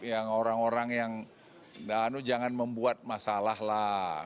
yang orang orang yang jangan membuat masalah lah